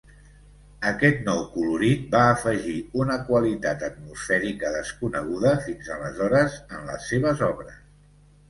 Aquest nou colorit va afegir una qualitat atmosfèrica desconeguda fins aleshores en les seves obres.